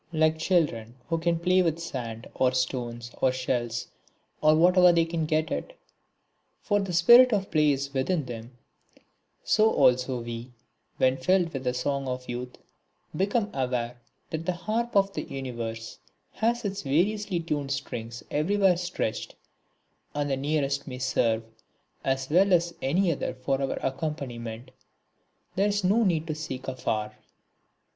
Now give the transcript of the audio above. Like children who can play with sand or stones or shells or whatever they can get (for the spirit of play is within them), so also we, when filled with the song of youth, become aware that the harp of the universe has its variously tuned strings everywhere stretched, and the nearest may serve as well as any other for our accompaniment, there is no need to seek afar.